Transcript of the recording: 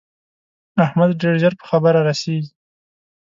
احمد ډېر ژر په خبره رسېږي.